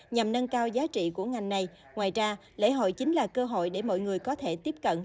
nhằm nâng cao giá trị của ngành này ngoài ra lễ hội chính là cơ hội để mọi người có thể tiếp cận